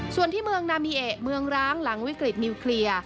ส่วนที่เมืองนามีเอเมืองร้างหลังวิกฤตนิวเคลียร์